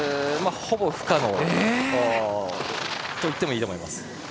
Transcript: ほぼ不可能といってもいいと思います。